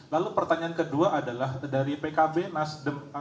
lalu pertanyaan kedua adalah dari pkb nasdem